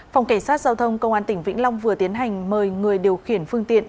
phòng cảnh sát giao thông công an tỉnh vĩnh long vừa tiến hành mời người điều khiển phương tiện